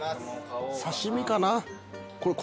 刺し身かな。